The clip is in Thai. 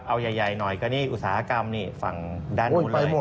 เอาใหญ่หน่อยก็นี่อุตสาหกรรมนี่ฝั่งด้านนู้นเลย